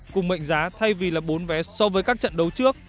cùng mệnh giá thay vì là bốn vé so với các trận đấu trước